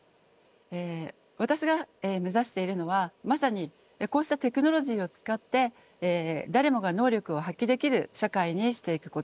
私が目指しているのはまさにこうしたテクノロジーを使って誰もが能力を発揮できる社会にしていくこと。